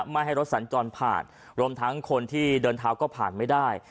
ไม่ให้รถสัญจรผ่านรวมทั้งคนที่เดินเท้าก็ผ่านไม่ได้